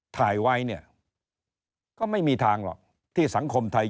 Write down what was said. ถ่ายไว้เนี่ยก็ไม่มีทางหรอกที่สังคมไทย